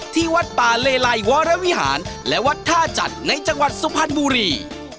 ที่วัดป่าเลไลวรวิหารและวัดท่าจัดในจังหวัดสุพรรณบุรี